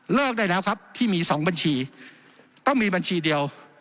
ได้แล้วครับที่มี๒บัญชีต้องมีบัญชีเดียว